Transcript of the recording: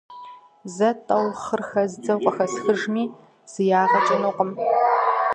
Зэ-тӀэу хъыр хэздзэу къыхэсхыжми зы ягъэ кӀынукъым…